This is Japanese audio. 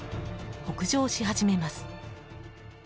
北上し始めます。